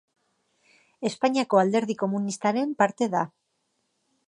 Espainiako Alderdi Komunistaren parte da.